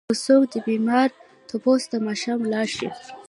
که څوک د بيمار تپوس ته ماښام لاړ شي؛